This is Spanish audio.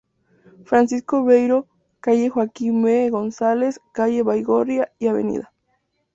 Francisco Beiró, Calle Joaquín V. González, Calle Baigorria y la Av.